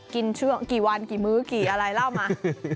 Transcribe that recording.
ช่วงกี่วันกี่มื้อกี่อะไรเล่ามา